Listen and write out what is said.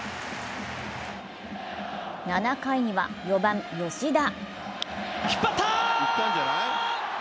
７回には４番・吉田。